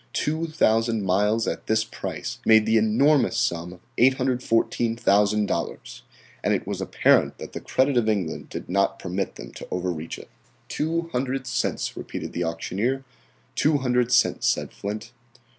Two thousand miles at this price made the enormous sum of $814,000 and it was apparent that the credit of England did not permit them to overreach it. "Two hundred cents," repeated the auctioneer. "Two hundred cents," said Flint.